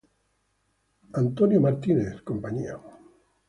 William Sprague, Co.